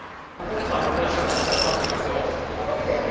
さあ残り時間が少なくなっていますよ。